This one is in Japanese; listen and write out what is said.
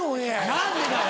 何でだよ！